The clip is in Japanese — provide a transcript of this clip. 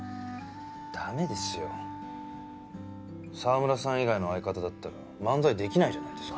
駄目ですよ澤村さん以外の相方だったら漫才できないじゃないですか。